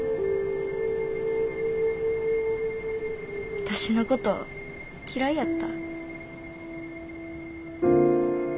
私のこと嫌いやった？